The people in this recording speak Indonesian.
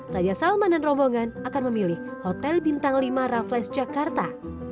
jangan lupa berlangganan rombongan akan memilih hotel bintang lima raffles jakarta